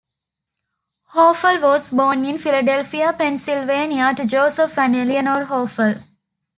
Hoeffel was born in Philadelphia, Pennsylvania, to Joseph and Eleanore Hoeffel.